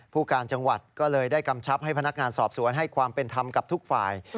ผู้การจังหวัดก็เลยได้กำชับให้พนักงานสอบสวนให้ความเป็นธรรมกับทุกฝ่าย